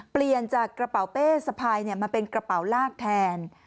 เปลี่ยนจากกระเป๋าเป้สะพายมาเป็นกระเป๋าลากแทน